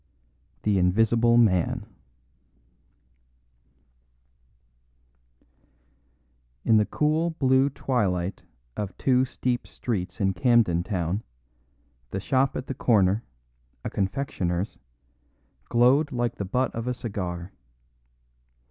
The Invisible Man In the cool blue twilight of two steep streets in Camden Town, the shop at the corner, a confectioner's, glowed like the butt of a cigar.